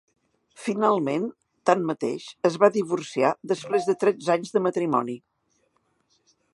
Finalment, tanmateix, es va divorciar després de tretze anys de matrimoni.